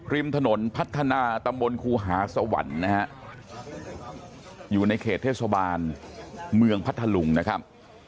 ริมถนนพัฒนาตำบลครูหาสวรรค์นะฮะอยู่ในเขตเทศบาลเมืองพัทธลุงนะครับ